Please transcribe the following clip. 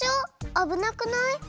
あぶなくない？